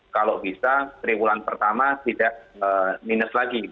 kalau bisa dari bulan pertama tidak minus lagi